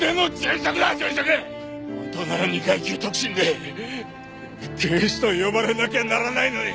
本当なら２階級特進で警視と呼ばれなきゃならないのに。